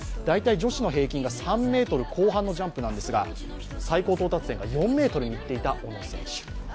大体女子の平均が３ｍ後半のジャンプなんですが、最高到達点が４ｍになっていた小野選手。